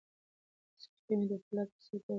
سختۍ مې د فولاد په څېر پیاوړی کړم.